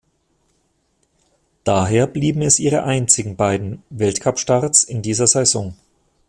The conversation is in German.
Daher blieben es ihre einzigen beiden Weltcup-Starts in dieser Saison.